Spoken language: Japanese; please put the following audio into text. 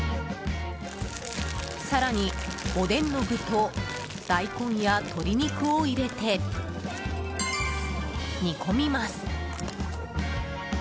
更に、おでんの具と大根や鶏肉を入れて煮込みます。